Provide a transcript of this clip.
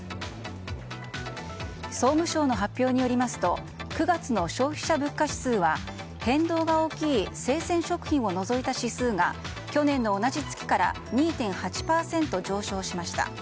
総務省の発表によりますと９月の消費者物価指数は変動が大きい生鮮食品を除いた指数が去年の同じ月から２．８％上昇しました。